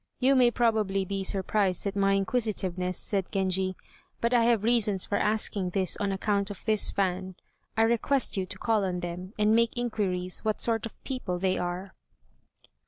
"You may probably be surprised at my inquisitiveness," said Genji, "but I have reasons for asking this on account of this fan. I request you to call on them, and make inquiries what sort of people they are."